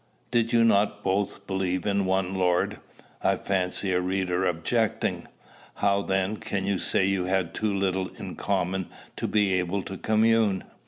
"Did you not both believe in one Lord?" I fancy a reader objecting. "How, then, can you say you had too little in common to be able to commune?"